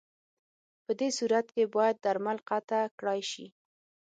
پدې صورت کې باید درمل قطع کړای شي.